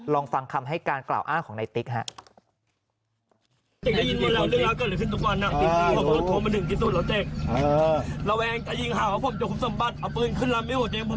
ลองฟังคำให้การกล่าวอ้างของในติ๊กครับ